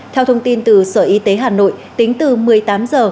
theo thông tin từ sở y tế hà nội tính từ một mươi tám h